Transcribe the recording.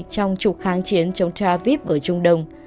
trong trục kháng chiến chống tavip ở trung đông